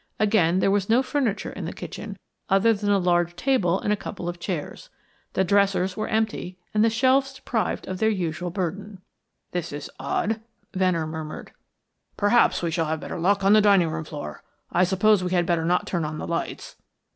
Again, there was no furniture in the kitchen other than a large table and a couple of chairs. The dressers were empty, and the shelves deprived of their usual burden. "This is odd," Venner murmured. "Perhaps we shall have better luck on the dining room floor. I suppose we had better not turn on the lights!"